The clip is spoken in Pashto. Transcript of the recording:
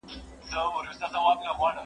زه موسيقي نه اورم؟!